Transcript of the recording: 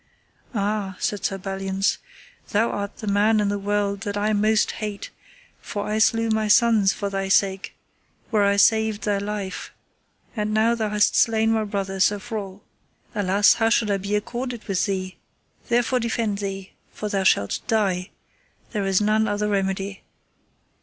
Ah, said Sir Belliance, thou art the man in the world that I most hate, for I slew my sons for thy sake, where I saved thy life, and now thou hast slain my brother Sir Frol. Alas, how should I be accorded with thee; therefore defend thee, for thou shalt die, there is none other remedy.